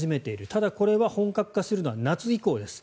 ただ、これは本格化するのは夏以降です。